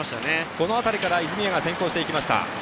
途中から泉谷が先行していきました。